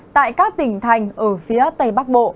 tại các tỉnh thành ở phía tây bắc bộ